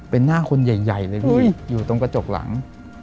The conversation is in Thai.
เป็นหน้าคนใหญ่เลยพี่อยู่ตรงกระจกหลัง